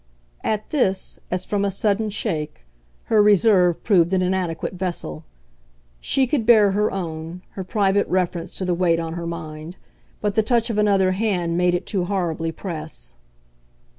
At this, as from a sudden shake, her reserve proved an inadequate vessel. She could bear her own, her private reference to the weight on her mind, but the touch of another hand made it too horribly press.